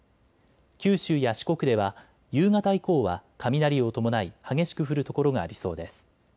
九州や四国では夕方以降は雷を伴い激しく降る所がありそうです。